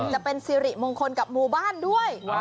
จะเป็นสิริมงคลกับหมู่บ้านด้วย